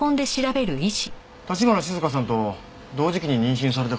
橘静香さんと同時期に妊娠された方です。